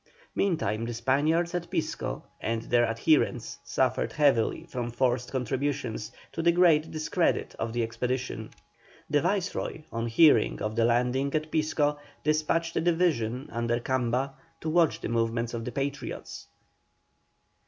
Meantime the Spaniards at Pisco and their adherents suffered heavily from forced contributions, to the great discredit of the expedition. The Viceroy, on hearing of the landing at Pisco, despatched a division, under Camba, to watch the movements of the Patriots.